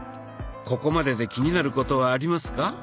ここまでで気になることはありますか？